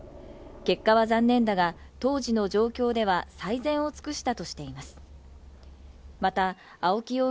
結果は残念だが、当時の状況では最善を尽くしたとしています。